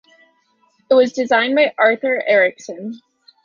It was designed by Arthur Erickson.